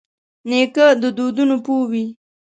نیکه د دودونو پوه وي.